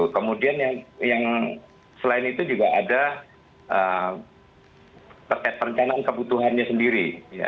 kemudian yang selain itu juga ada terkait perencanaan kebutuhannya sendiri